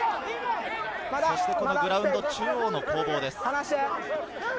そしてグラウンド中央の攻防です。